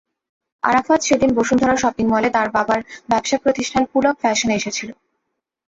আরাফাত সেদিন বসুন্ধরা শপিং মলে তার বাবার ব্যবসাপ্রতিষ্ঠান পুলক ফ্যাশনে এসেছিল।